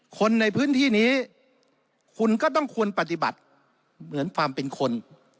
คนในพื้นที่นี้คุณก็ต้องควรปฏิบัติเหมือนความเป็นคน